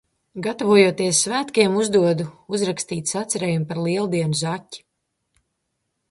Gatavojoties svētkiem, uzdodu uzrakstīt sacerējumu par Lieldienu Zaķi.